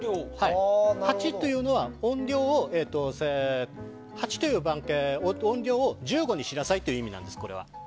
８というのは音量を１５にしなさいという意味なんです。